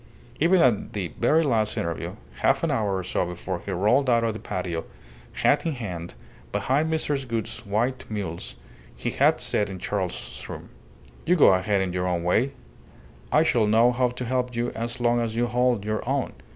Even at the very last interview, half an hour or so before he rolled out of the patio, hat in hand, behind Mrs. Gould's white mules, he had said in Charles's room "You go ahead in your own way, and I shall know how to help you as long as you hold your own.